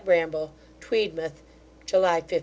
BRAMBLE TWEEDMOUTH, July 15.